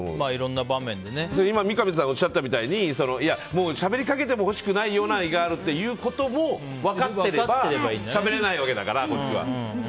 今、三上さんがおっしゃったみたいにしゃべりかけてもほしくない日もあるということを分かっていればしゃべれないわけだからこっちは。